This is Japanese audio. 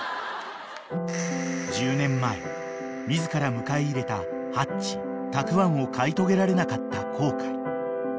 ［１０年前自ら迎え入れたハッチたくわんを飼い遂げられなかった後悔］